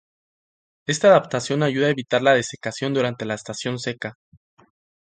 Esta adaptación ayuda a evitar la desecación durante la estación seca.